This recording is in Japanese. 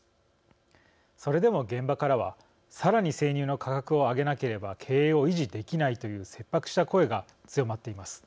それでも、現場からはさらに生乳の価格を上げなければ経営を維持できないという切迫した声が強まっています。